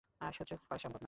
আর সহ্য করা সম্ভব না।